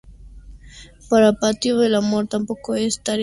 Para Patito el amor tampoco es tarea sencilla.